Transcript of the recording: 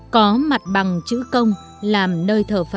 có mặt bằng chữ công làm nơi thờ phật